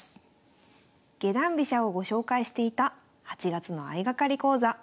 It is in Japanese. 下段飛車をご紹介していた８月の相掛かり講座。